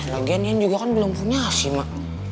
lagian iyan juga kan belum punya sih mak